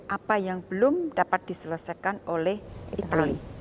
apa yang belum dapat diselesaikan oleh itali